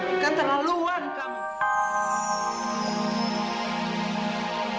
bukan terlalu luar kamu